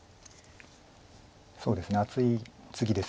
そうですね厚いツギです